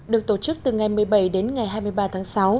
được tổ chức từ ngày một mươi bảy đến ngày hai mươi ba tháng sáu